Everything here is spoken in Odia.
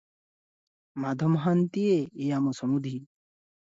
ମାଧ ମହାନ୍ତିଏ ଏ ଆମ ସମୁଧି ।